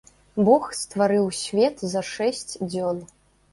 Бог стварыў свет за шэсць дзён.